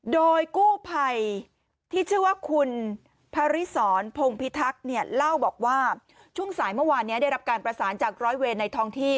โดยกู้ภัยที่ชื่อว่าคุณพระริสรพงพิทักษ์เนี่ยเล่าบอกว่าช่วงสายเมื่อวานนี้ได้รับการประสานจากร้อยเวรในท้องที่